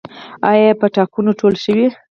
آیا پاټکونه ټول شوي؟